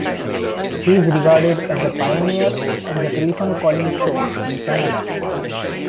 He is regarded as a pioneer of the telephone call-in show in Canada.